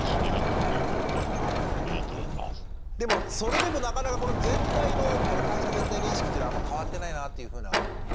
でもそれでもなかなか全体の会社全体の意識というのはあんま変わってないなっていうふうな印象なんですね。